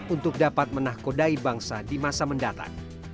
untuk menangkodai bangsa di masa mendatang